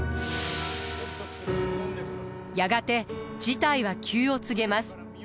やがて事態は急を告げます。